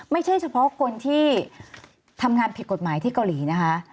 ไม่ใช่เฉพาะคนที่ทำงานผิดกฎหมายที่เกาหลีนะคะ